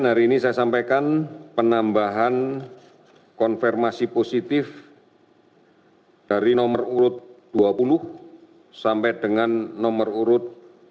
dan hari ini saya sampaikan penambahan konfirmasi positif dari nomor urut dua puluh sampai dengan nomor urut dua puluh tujuh